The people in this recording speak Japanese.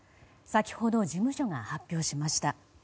先ほど事務所が発表しました。